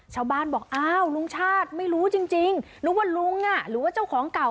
ชาวบ้านบอกอ้าวลุงชาติไม่รู้จริงนึกว่าลุงหรือว่าเจ้าของเก่า